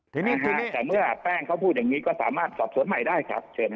แต่เมื่อแป้งเขาพูดอย่างนี้ก็สามารถสอบสวนใหม่ได้นะครับ